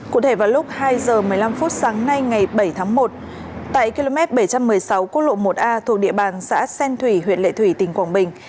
cụ thể vào lúc hai h một mươi năm phút sáng nay ngày bảy tháng một tại km bảy trăm một mươi sáu quốc lộ một a thuộc địa bàn xã sen thủy huyện lệ thủy tỉnh quảng bình